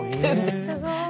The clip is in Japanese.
すごい。